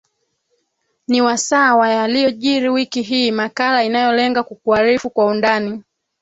ni wasaa wa yaliyojiri wiki hii makala inayolenga kukuarifu kwa undani